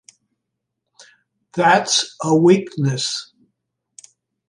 That's a weakness!